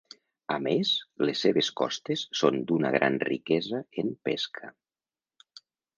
A més, les seves costes són d'una gran riquesa en pesca.